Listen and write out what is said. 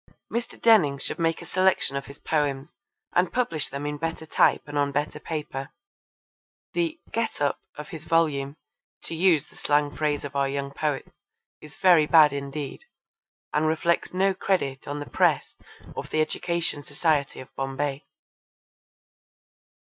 Mr. Denning should make a selection of his poems and publish them in better type and on better paper. The 'get up' of his volume, to use the slang phrase of our young poets, is very bad indeed, and reflects no credit on the press of the Education Society of Bombay.